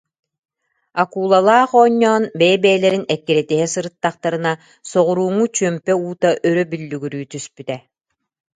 «Аку- лалаах» оонньоон бэйэ-бэйэлэрин эккирэтиһэ сырыт- тахтарына, соҕурууҥҥу чүөмпэ уута өрө бүллүгүрүү түспүтэ